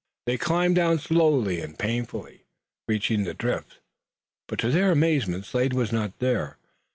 They climbed down slowly and painfully, reaching the drift, but to their amazement Slade was not there.